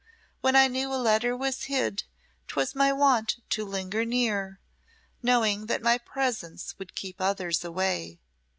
When I knew a letter was hid, 'twas my wont to linger near, knowing that my presence would keep others away.